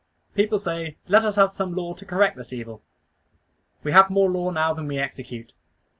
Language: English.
People say "Let us have some law to correct this evil." We have more law now than we execute.